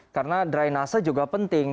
karena dry nasa juga penting